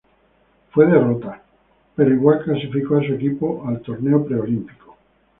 Fue derrota, pero igual clasificó a su equipo al torneo Preolímpico.